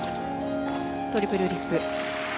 トリプルフリップ。